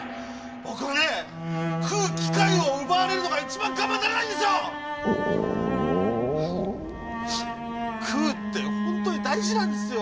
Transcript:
僕はね「食う機会」を奪われるのが一番我慢ならないんですよ！食うって本当に大事なんですよ！